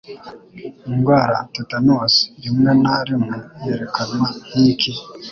Indwara Tetanusi Rimwe na rimwe Yerekanwa Nkiki?